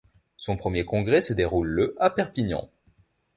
Son premier congrès se déroule le à Perpignan.